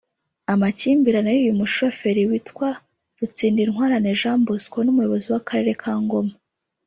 Amakimbirane y’uyu mushoferi witwa Rutsindintwarane Jean Bosco n’Umuyobozi w’Akarere ka Ngoma